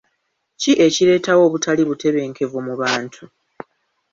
Ki ekireetawo obutali butebenkevu mu bantu?